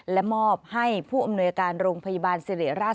และมอบให้ผู้อำนวยการโรงพยาบาลสิริราช